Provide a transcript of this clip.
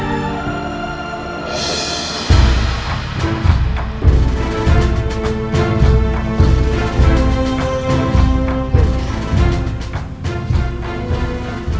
sehingga belum bisa menjemukmu sampai sesiam itu